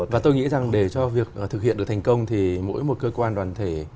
và tôi nghĩ rằng để cho việc thực hiện được thành công thì mỗi một cơ quan đoàn thể